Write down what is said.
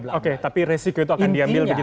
oke oke tapi resiko itu akan diambil begitu ya